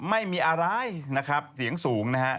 ไม่มีอะไรนะครับเสียงสูงนะฮะ